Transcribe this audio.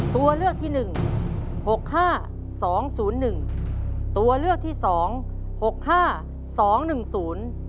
ตัวเลือกที่หนึ่งหกห้าสองศูนย์หนึ่งตัวเลือกที่สองหกห้าสองหนึ่งศูนย์